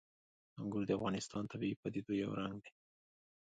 انګور د افغانستان د طبیعي پدیدو یو رنګ دی.